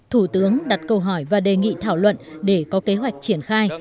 thủ tướng đặt câu hỏi và đề nghị thảo luận để có kế hoạch triển khai